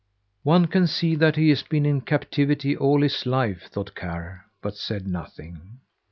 "One can see that he has been in captivity all his life," thought Karr, but said nothing.